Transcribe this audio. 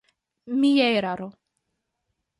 Mia eraro.